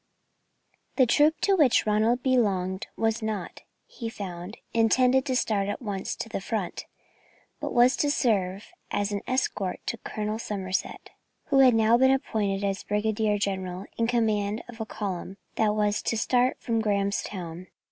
The troop to which Ronald belonged was not, he found, intended to start at once to the front, but was to serve as an escort to Colonel Somerset, who had now been appointed as Brigadier General in command of a column that was to start from Grahamstown.